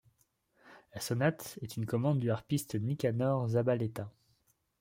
La sonate est une commande du harpiste Nicanor Zabaleta.